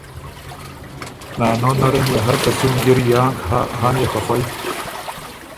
نانو نرن يې هر که څُون جر یانک هۀ، هۀ ن يې خه خوئ۔